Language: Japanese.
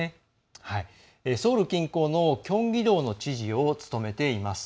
ソウル近郊のキョンギ道の知事を務めています。